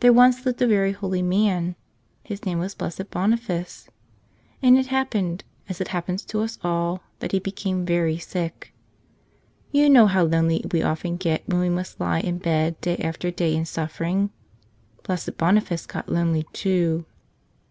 There once lived a very holy man. His name was Blessed Boniface. And it happened, as it happens to us all, that he became very sick. You know how lonely we often get when we must lie in bed day after day in suffering. Blessed Boniface got lonely, too.